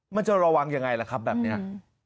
มันจะระวังยังไงล่ะครับแบบนี้